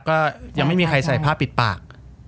ก็ยังไม่มีใครใส่ผ้าปิดปาก